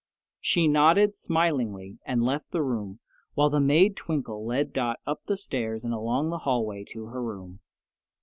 She nodded smilingly and left the room, while the maid Twinkle led Dot up the stairs and along the hallway to her room.